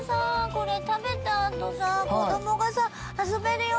これ食べた後さ子供がさ遊べるよ